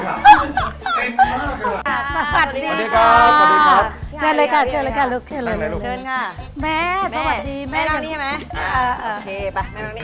สวัสดีครับ